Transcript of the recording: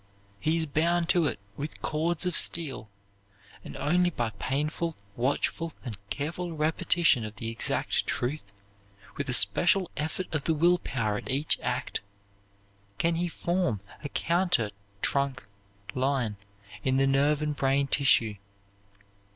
He is bound to it with cords of steel; and only by painful, watchful, and careful repetition of the exact truth, with a special effort of the will power at each act, can he form a counter trunk line in the nerve and brain tissue.